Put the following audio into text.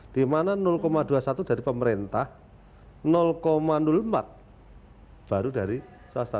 di mana dua puluh satu dari pemerintah empat baru dari swasta